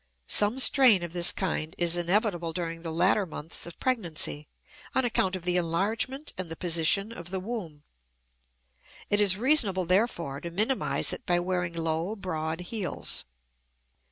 Some strain of this kind is inevitable during the latter months of pregnancy on account of the enlargement and the position of the womb; it is reasonable, therefore, to minimize it by wearing low, broad heels.